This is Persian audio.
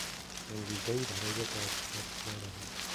انگیزهای برای بازگشت ندارم.